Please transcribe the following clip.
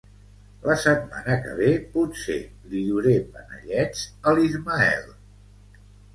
La setmana que ve potser li duré panellets a l'Ismael